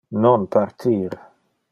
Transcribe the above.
Non partir.